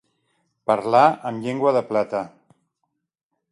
Parlar amb llengua de plata.